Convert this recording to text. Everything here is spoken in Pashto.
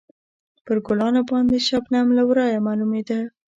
پر ګلانو باندې شبنم له ورایه معلومېده.